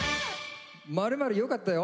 「○○良かったよ！